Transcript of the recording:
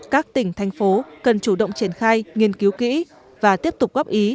các tỉnh thành phố cần chủ động triển khai nghiên cứu kỹ và tiếp tục góp ý